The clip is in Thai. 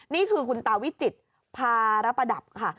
นี่คือคุณตาวิจิตรภาระประดับค่ะ